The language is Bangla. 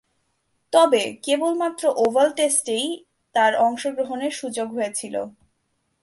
তবে, কেবলমাত্র ওভাল টেস্টেই তার অংশগ্রহণের সুযোগ হয়েছিল।